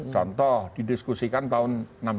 contoh didiskusikan tahun enam puluh lima